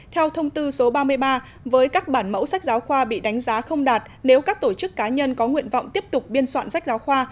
theo thông tư số ba mươi ba với các bản mẫu sách giáo khoa bị đánh giá không đạt nếu các tổ chức cá nhân có nguyện vọng tiếp tục biên soạn sách giáo khoa